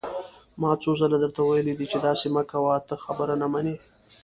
ما څو ځله درته ويلي دي چې داسې مه کوه، ته خبره نه منې!